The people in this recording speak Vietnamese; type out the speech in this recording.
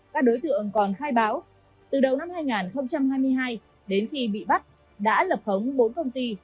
các đối tượng còn khai báo từ đầu năm hai nghìn hai mươi hai đến khi bị bắt đã lập khống bốn công ty